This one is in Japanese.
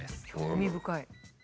興味深い。